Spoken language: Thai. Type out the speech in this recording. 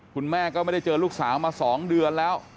คุณแม่ก็ไม่ได้เจอลูกสาวมา๒เดือนแล้ว